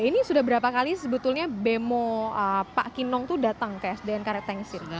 ini sudah berapa kali sebetulnya bemo pak kinong itu datang ke sdn karet tengsir